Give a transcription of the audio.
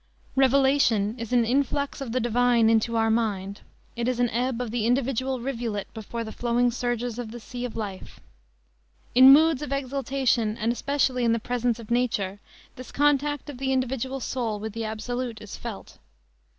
Revelation is "an influx of the Divine mind into our mind. It is an ebb of the individual rivulet before the flowing surges of the sea of life." In moods of exaltation, and especially in the presence of nature, this contact of the individual soul with the absolute is felt.